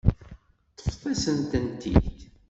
Ṭṭfet-asent-tent-id.